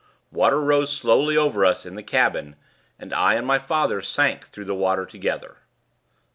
Water rose slowly over us in the cabin; and I and my father sank through the water together.